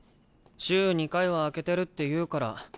週２回は開けてるっていうから。